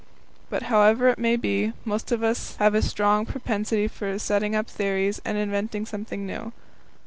But however it may be, most of us have a strong propensity for setting up theories and inventing something new.